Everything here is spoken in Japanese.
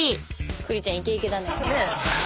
栗ちゃんイケイケだね。